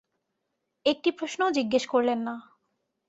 একটি প্রশ্নও জিজ্ঞেস করলেন না।